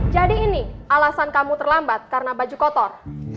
jadi ini alasan kamu terlambat karena baju kotor